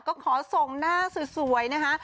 ก็ขอส่งหน้าสวยนะคะ